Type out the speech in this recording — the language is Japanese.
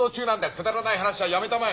くだらない話はやめたまえ。